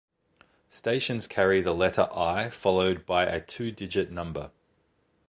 Stations carry the letter "I" followed by a two-digit number.